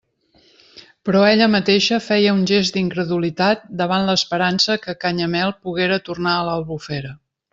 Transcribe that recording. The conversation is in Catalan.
Però ella mateixa feia un gest d'incredulitat davant l'esperança que Canyamel poguera tornar a l'Albufera.